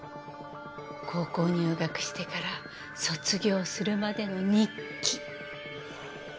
高校入学してから卒業するまでの日記。